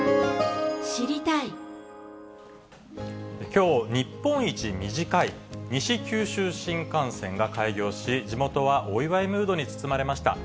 きょう、日本一短い西九州新幹線が開業し、地元はお祝いムードに包まれました。